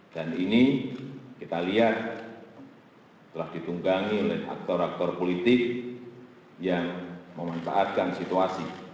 dan ini kita lihat telah ditunggangi oleh aktor aktor politik yang memanfaatkan situasi